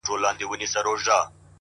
اخلاص د کردار رښتینولی څرګندوي’